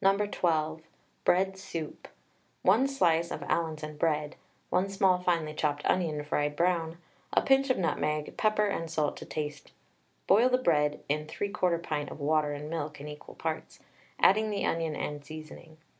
No. 12. BREAD SOUP. 1 slice of Allinson bread, 1 small finely chopped onion fried brown, a pinch of nutmeg, pepper and salt to taste. Boil the bread in 3/4 pint of water and milk in equal parts, adding the onion and seasoning.